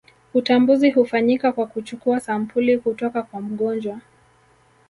Utambuzi hufanyika kwa kuchukua sampuli kutoka kwa mgonjwa